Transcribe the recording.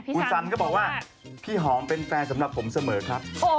คุณสันก็บอกว่าพี่หอมเป็นแฟนสำหรับผมเสมอครับ